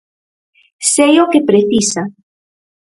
Sei o que precisa.